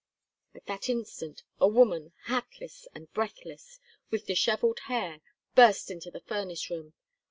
At that instant a woman, hatless and breathless, with disheveled hair, burst into the furnace room.